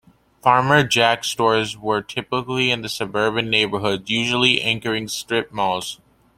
Farmer Jack stores were typically in suburban neighborhoods, usually anchoring strip malls.